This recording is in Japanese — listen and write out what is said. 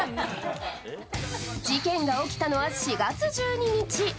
事件が起きたのは４月１２日。